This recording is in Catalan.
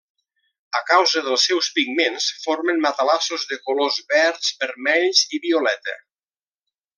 A causa dels seus pigments, formen matalassos de colors verds, vermells i violeta.